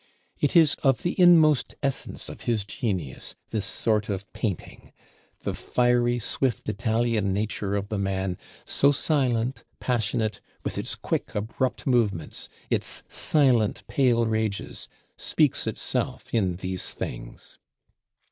It is of the inmost essence of his genius, this sort of painting. The fiery, swift Italian nature of the man, so silent, passionate, with its quick abrupt movements, its silent "pale rages", speaks itself in these things.